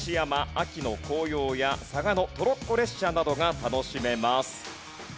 秋の紅葉や嵯峨野トロッコ列車などが楽しめます。